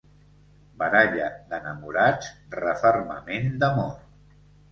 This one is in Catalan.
Baralla d'enamorats, refermament d'amor.